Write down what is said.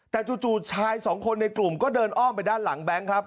แต่จู่ชายสองคนในกลุ่มก็เดินอ้อมไปด้านหลังแบงค์ครับ